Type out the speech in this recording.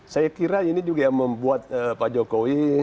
saya kira ini juga yang membuat pak jokowi